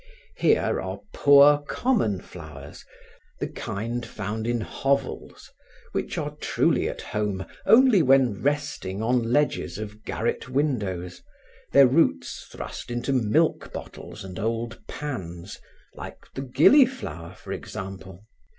Here are poor common flowers, the kind found in hovels, which are truly at home only when resting on ledges of garret windows, their roots thrust into milk bottles and old pans, like the gilly flower for example.